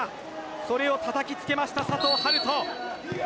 それをたたき付けました佐藤遥斗。